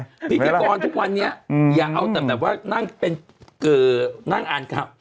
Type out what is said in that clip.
พิธีกรทุกวันนี้อย่าเอาแต่นั่งเป็นเกลือนั่งอันครับ